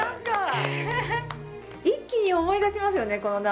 一気に思い出しますよね。